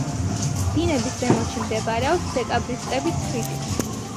დინების ზემოთში მდებარეობს დეკაბრისტების ხიდი.